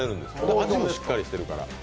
味もしっかりしてるから。